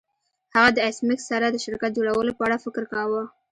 هغه د ایس میکس سره د شرکت جوړولو په اړه فکر کاوه